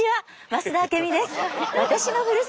増田明美です。